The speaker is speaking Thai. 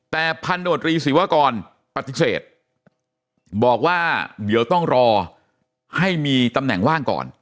แต่พันโดรีศิวากรปฏิเสธบอกว่าเดี๋ยวต้องรอให้มีตำแหน่งว่างก่อน